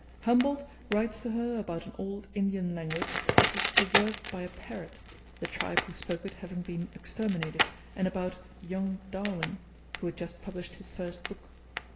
Humboldt writes to her about an old Indian language which was preserved by a parrot, the tribe who spoke it having been exterminated, and about 'young Darwin,' who had just published his first book.